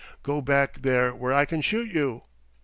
Go back there where I can shoot you."